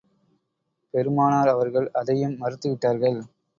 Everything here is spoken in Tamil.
பெருமானார் அவர்கள் அதையும் மறுத்து விட்டார்கள்.